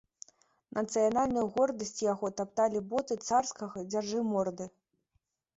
Нацыянальную гордасць яго тапталі боты царскага дзяржыморды.